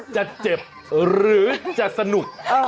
จะเจ็บหรือจะสนุก